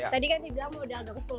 tadi kan tidak mau diadakan ke sekolah